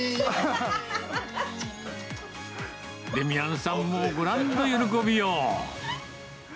デミアンさんもご覧の喜びよう。